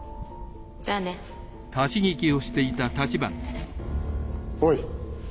じゃあね。おい。